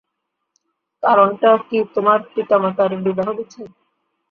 কারণটা কি তোমার পিতামাতার বিবাহবিচ্ছেদ?